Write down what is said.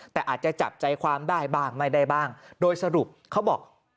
แต่อาจจะจับใจความได้บ้างไม่ได้บ้างโดยสรุปเขาบอก